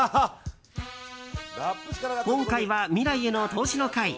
今回は未来への投資の回。